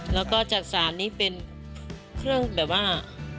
แล้วก็จักษานนี้เป็นเครื่องแบบว่า